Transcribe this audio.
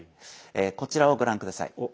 こちらをご覧ください。